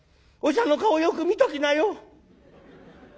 おじさんの顔よく見ときなよ。